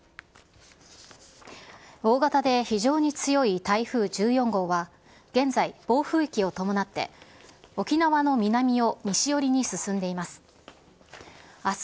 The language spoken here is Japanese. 大型で非常に強い台風１４号は、現在暴風域を伴って、沖縄の南を西寄りに進んでいます。